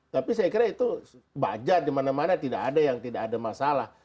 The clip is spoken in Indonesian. tapi saya kira itu bajar dimana mana tidak ada yang tidak ada masalah